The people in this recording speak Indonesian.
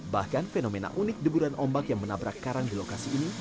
bahkan fenomena unik deburan ombak yang menabrak karang di lokasi ini